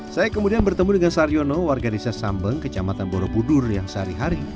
saya kemudian bertemu dengan saryono warganisa sambeng kecamatan borobudur yang sehari hari